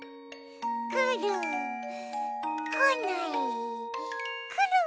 くるこないくる！